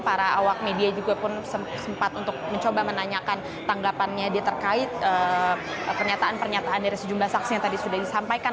para awak media juga pun sempat untuk mencoba menanyakan tanggapannya dia terkait pernyataan pernyataan dari sejumlah saksi yang tadi sudah disampaikan